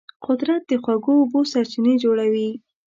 قدرت د خوږو اوبو سرچینې جوړوي.